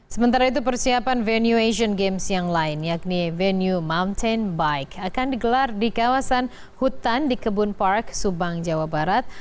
sementara itu persiapan venue asian games yang lain yakni venue mountain bike akan digelar di kawasan hutan di kebun park subang jawa barat